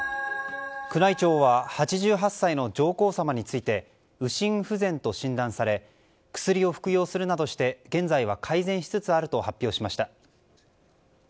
宮内庁は８８歳の上皇さまについて右心不全と診断され薬を服用するなどして現在は改善しつつあると発表しました。